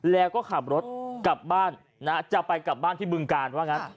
แล้วก็ขับรถกลับบ้านนะจะไปกลับบ้านที่บึงการว่างั้น